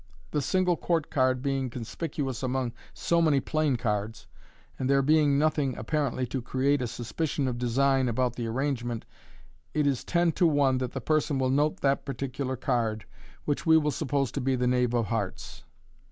The single court card being conspicuous among so many plain cards, and there being no thing apparently to create a suspicion of design about the arrange ment it is ten to one that the person will note that particular card, i» MODERN MAGIC which we will suppose to be the knave of hearts.